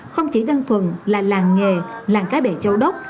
không chỉ đơn thuần là làng nghề làng cá bè châu đốc